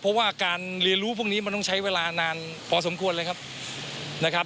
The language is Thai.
เพราะว่าการเรียนรู้พวกนี้มันต้องใช้เวลานานพอสมควรเลยครับนะครับ